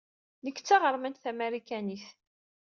Nekk d taɣeṛmant tamarikanit.